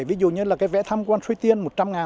ví dụ như là cái vẽ tham quan suy tiên